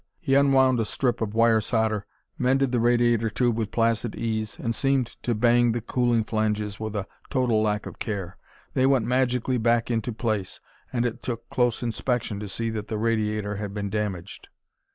He unwound a strip of wire solder, mended the radiator tube with placid ease, and seemed to bang the cooling flanges with a total lack of care. They went magically back into place, and it took close inspection to see that the radiator had been damaged.